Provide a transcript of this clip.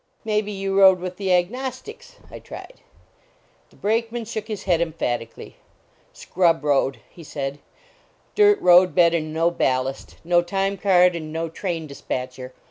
May be you rode with the Agnostics? " I tried. The Brakeman shook his head emphatic ally. "Scrub road," he said, "dirt road bed and no ballast; no time card, and no train dispatcher.